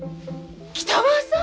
北川さん？